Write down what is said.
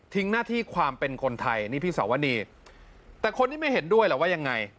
หน้าที่ความเป็นคนไทยนี่พี่สาวนีแต่คนนี้ไม่เห็นด้วยแหละว่ายังไง